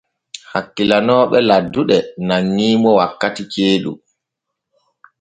Hakkilanooɓe laddude nanŋi mo wakkati ceeɗu.